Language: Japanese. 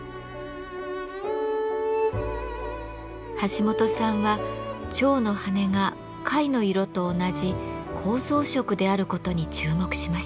橋本さんは蝶の羽が貝の色と同じ構造色であることに注目しました。